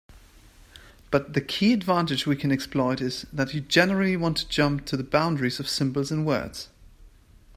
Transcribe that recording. But the key advantage we can exploit is that you generally want to jump to the boundaries of symbols and words.